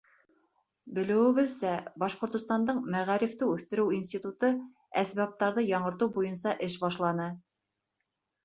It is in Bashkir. Белеүебеҙсә, Башҡортостандың мәғарифты үҫтереү институты әсбаптарҙы яңыртыу буйынса эш башланы.